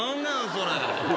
それ。